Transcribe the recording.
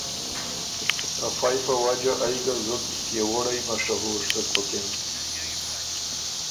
ته فئ په وجه ائ ګه زُت پئےوُړئ مشهور سُک بُکِن